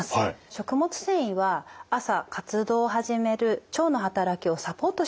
食物繊維は朝活動を始める腸の働きをサポートしてくれる役割があるんですね。